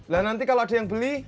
nah nanti kalau ada yang beli